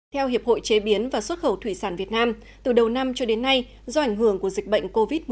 theo hiệp hội chế biến và xuất khẩu thủy sản việt nam từ đầu năm cho đến nay do ảnh hưởng của dịch bệnh covid một mươi chín